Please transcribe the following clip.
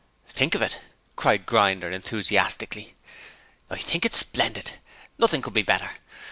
'Think of it!' cried Grinder, enthusiastically. 'I think it's splendid! Nothing could be better.